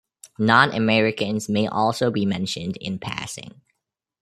Non-Americans may also be mentioned in passing.